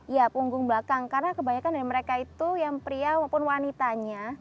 ya punggung belakang karena kebanyakan dari mereka itu yang pria maupun wanitanya